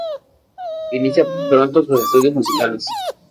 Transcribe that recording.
Inicia pronto sus estudios musicales.